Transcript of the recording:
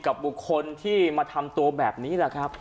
กับบุคคลที่มาทำตัวแบบนี้